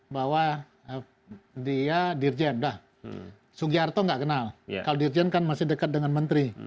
bahwa dia dirjen dah sugiharto nggak kenal kalau dirjen kan masih dekat dengan menteri